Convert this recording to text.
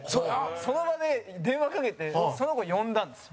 その場で電話かけてその子を呼んだんですよ。